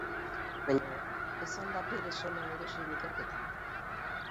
Baina ez al da berez ona edozein ikerketa?